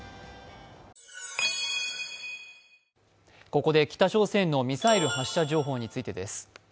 ここで北朝鮮のミサイル発射情報についてです。